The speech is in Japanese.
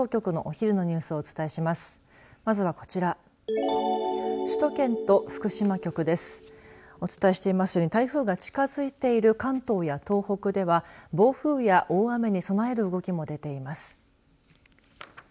お伝えしていますように台風が近づいている関東や東北では暴風や大雨に備える動きも出ています。